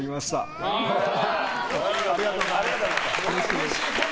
ありがとうございます。